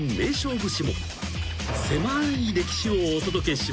［せまい歴史をお届けします］